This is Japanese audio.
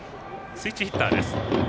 スイッチヒッターです。